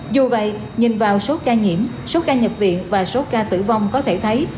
dù vậy nhìn vào số ca nhiễm số ca nhập viện và số ca tử vong có thể thấy